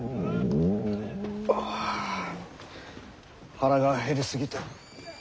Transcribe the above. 腹が減り過ぎて。